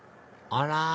あら！